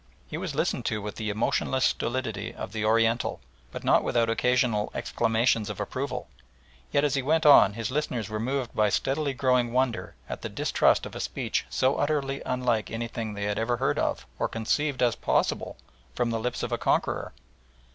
He was listened to with the emotionless stolidity of the Oriental, but not without occasional exclamations of approval, yet as he went on his hearers were moved by steadily growing wonder at and distrust of a speech so utterly unlike anything they had ever heard of, or conceived as possible, from the lips of a conqueror.